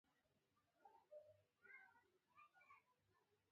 ښه خدمت د هر پلور کلي ده.